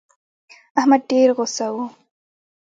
احمد ډېر غوسه و.